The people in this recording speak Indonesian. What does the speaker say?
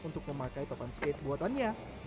untuk memakai papan skate buatannya